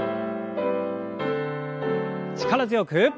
力強く。